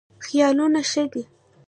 خیالونه ښه دي.